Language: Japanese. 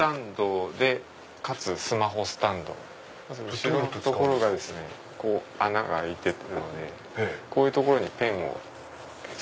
後ろ穴が開いてるのでこういう所にペンを。